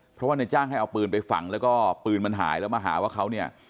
เพราะว่าในจ้างให้เอาปืนไปฝังแล้วก็ปืนมันหายแล้วมาหาว่าเขาเนี่ย